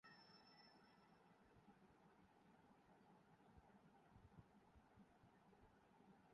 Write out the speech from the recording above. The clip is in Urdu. ملک میں سونے کی قیمت تیزی سے بڑھنے لگی